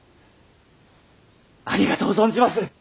ありがとう存じまする！